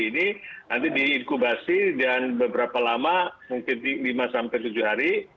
nanti diinkubasi dan beberapa lama mungkin lima tujuh hari